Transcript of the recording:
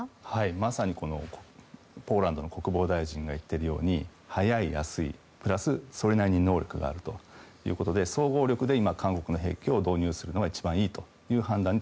まさにポーランドの国防大臣が言っているように早い、安い、プラスそれなりに能力があるということで総合力で今、韓国の兵器を導入するのが一番いいという判断に